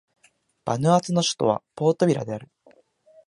バヌアツの首都はポートビラである